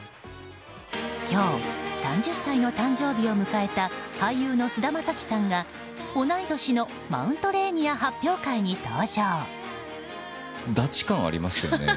今日、３０歳の誕生日を迎えた俳優の菅田将暉さんが、同い年のマウントレーニア発表会に登場。